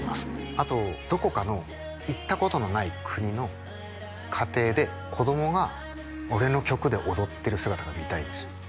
あとどこかの行ったことのない国の家庭で子供が俺の曲で踊ってる姿が見たいんですよ